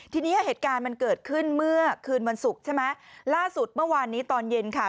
ทีนี้เหตุการณ์มันเกิดขึ้นเมื่อคืนวันศุกร์ใช่ไหมล่าสุดเมื่อวานนี้ตอนเย็นค่ะ